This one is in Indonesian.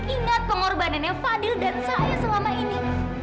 ingat pengorbanannya fadil dan saya selama ini